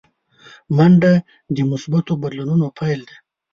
منډه د مثبتو بدلونونو پیل دی